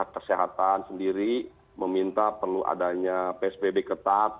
kesehatan sendiri meminta perlu adanya psbb ketat